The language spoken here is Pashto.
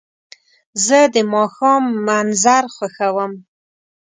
زه د ماښام منظر خوښوم.